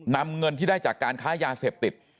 นำเงินที่ได้จากการค้ายาเสพติด